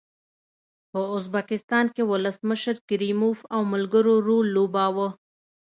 په ازبکستان کې ولسمشر کریموف او ملګرو رول لوباوه.